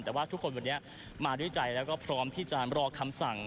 แต่ว่าทุกคนวันนี้มาด้วยใจแล้วก็พร้อมที่จะรอคำสั่ง